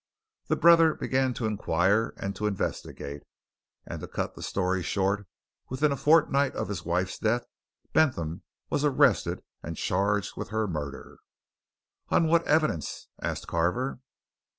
The brother began to inquire and to investigate and to cut the story short, within a fortnight of his wife's death, Bentham was arrested and charged with her murder." "On what evidence?" asked Carver.